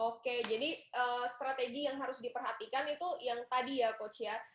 oke jadi strategi yang harus diperhatikan itu yang tadi ya coach ya